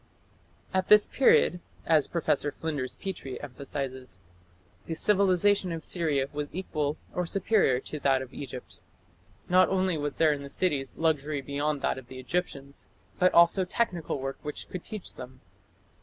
"At this period", as Professor Flinders Petrie emphasizes, "the civilization of Syria was equal or superior to that of Egypt." Not only was there in the cities "luxury beyond that of the Egyptians", but also "technical work which could teach them".